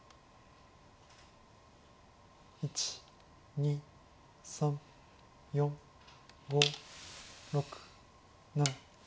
１２３４５６７。